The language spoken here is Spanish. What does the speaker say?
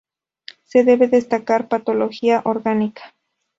Se debe descartar patología orgánica.